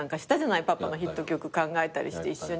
パパのヒット曲考えたりして一緒に。